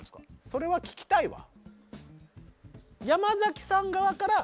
それは聞きたいわ。